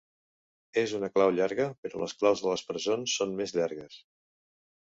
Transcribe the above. És una clau llarga, però les claus de les presons són més llargues.